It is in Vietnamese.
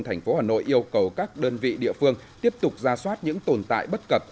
thành phố hà nội yêu cầu các đơn vị địa phương tiếp tục ra soát những tồn tại bất cập